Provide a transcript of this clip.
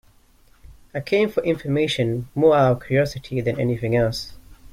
I came for information more out of curiosity than anything else.